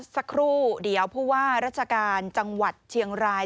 สักครู่เดี๋ยวผู้ว่าราชการจังหวัดเชียงราย